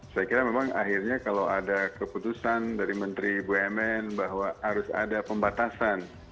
saya kira memang akhirnya kalau ada keputusan dari menteri bumn bahwa harus ada pembatasan